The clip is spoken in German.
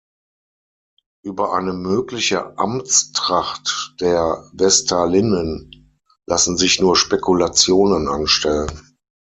Über eine mögliche Amtstracht der Vestalinnen lassen sich nur Spekulationen anstellen.